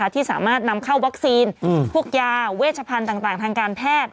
ที่สามารถนำเข้าวัคซีนพวกยาเวชพันธุ์ต่างทางการแพทย์